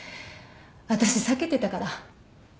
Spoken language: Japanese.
私避けてたから。